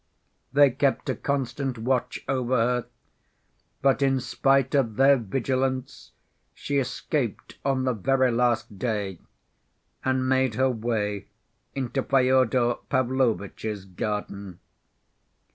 They kept a constant watch over her, but in spite of their vigilance she escaped on the very last day, and made her way into Fyodor Pavlovitch's garden.